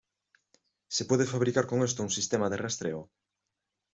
¿ se puede fabricar con esto un sistema de rastreo?